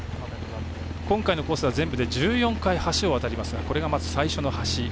今回のコースは全部で１４回、橋を渡りますが最初の橋